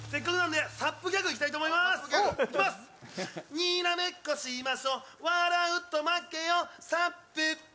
にーらめっこしましょ、笑うと負けよ、サップップ！